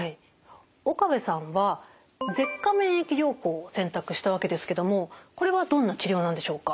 岡部さんは舌下免疫療法を選択したわけですけどもこれはどんな治療なんでしょうか？